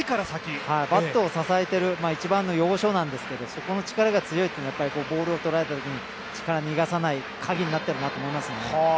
バットを支えている、一番の要所なんですけど、そこの力が強いというのはボールを捉えたときに力を逃がさない、カギになってるなと思いますね。